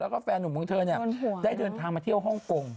แล้วก็แฟนหนุ่มของเธอเนี่ยได้เดินทางมาเที่ยวฮ่องกง